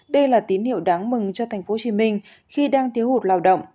đây là tín hiệu đáng mừng cho tp hcm khi đang thiếu hụt lao động